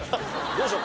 どうでしょう？